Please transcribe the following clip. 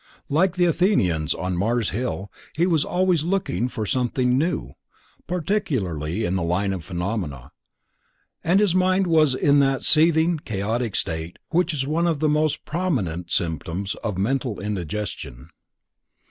Like the Athenians on Mars' Hill, he was always looking for something "new," particularly in the line of phenomena, and his mind was in that seething chaotic state which is one of the most prominent symptoms of "mental indigestion."